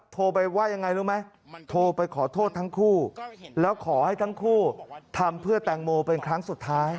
โทรไปว่ายังไงรู้ไหมโทรไปขอโทษทั้งคู่แล้วขอให้ทั้งคู่ทำเพื่อแตงโมเป็นครั้งสุดท้าย